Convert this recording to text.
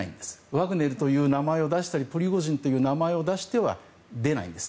ワグネルという名前を出したりプリゴジンという名前を出してはいないんです。